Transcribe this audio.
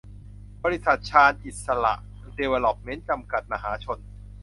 บริษัท ชาญอิสสระ ดีเวล็อปเมนท์ จำกัด มหาชน